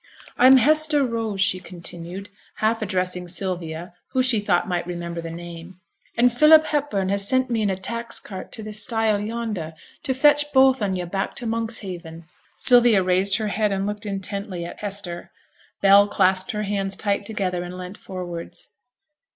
'I'm Hester Rose,' she continued, half addressing Sylvia, who she thought might remember the name, 'and Philip Hepburn has sent me in a tax cart to t' stile yonder, to fetch both on yo' back to Monkshaven.' Sylvia raised her head and looked intently at Hester. Bell clasped her hands tight together and leant forwards.